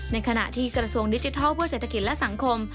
ในขณะที่กระทรวงดิจิทัลเพื่อเศรษฐกิจและสังคม